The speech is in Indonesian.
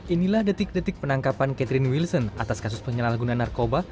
inilah detik detik penangkapan catherine wilson atas kasus penyalahgunaan narkoba